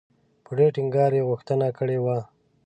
په ډېر ټینګار یې غوښتنه کړې وه.